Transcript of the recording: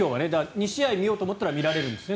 ２試合見ようと思ったら見られるんですね